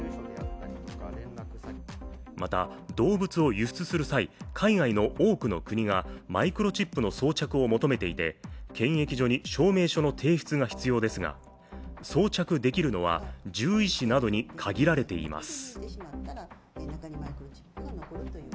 また、動物を輸出する際海外の多くの国がマイクロチップの装着を求めていて検疫所に証明書の提出が必要ですが、装着できるのは獣医師などに限られています。